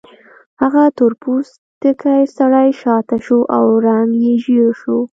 هغه تور پوستکی سړی شاته شو او رنګ یې ژیړ شو